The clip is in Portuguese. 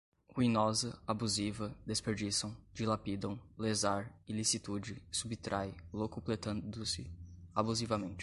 ruinosa, abusiva, desperdiçam, dilapidam, lesar, ilicitude, subtrai, locupletando-se, abusivamente